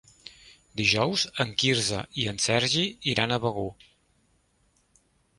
Dijous en Quirze i en Sergi iran a Begur.